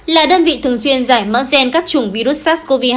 là đơn vị thường xuyên giải mã gen các chủng virus sars cov hai